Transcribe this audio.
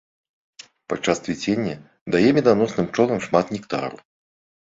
Падчас цвіцення дае меданосным пчолам шмат нектару.